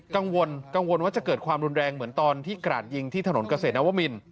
กังวลกังวลว่าจะเกิดความรุนแรงเหมือนตอนที่กราดยิงที่ถนนเกษตรนวมิน